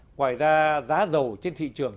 ngoài ra giá dầu trên thị trường